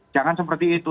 jangan seperti itu